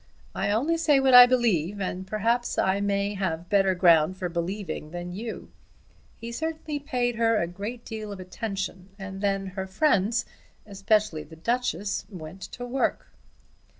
I only say what I believe, and perhaps I may have better ground for believing than you. He certainly paid her a great deal of attention, and then her friends, especially the Duchess, went to work."